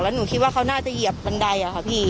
แล้วหนูคิดว่าเขาน่าจะเหยียบบันไดอะค่ะพี่